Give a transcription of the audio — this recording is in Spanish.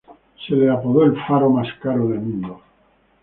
Se lo apodó "el faro más caro del mundo".